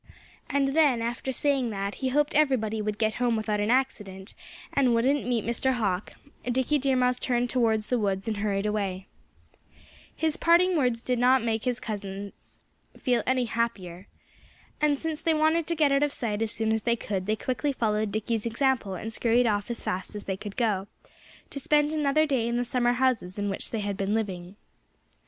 And then, after saying that he hoped everybody would get home without an accident, and wouldn't meet Mr. Hawk, Dickie Deer Mouse turned towards the woods and hurried away. His parting words did not make his numerous cousins feel any happier. And since they wanted to get out of sight as soon as they could, they quickly followed Dickie's example and scurried off as fast as they could go, to spend another day in the summer houses in which they had been living.